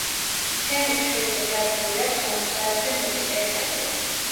თემურ ჩხეიძეს დადგმული აქვს სამოცდაათზე მეტი სპექტაკლი.